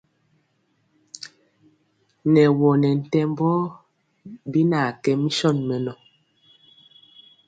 Nɛ wɔ nɛ ntɛmbɔɔ bi na kɛ mison mɛnɔ.